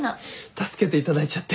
助けていただいちゃって。